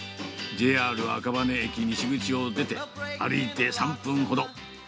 ＪＲ赤羽駅西口を出て、歩いて３分ほど。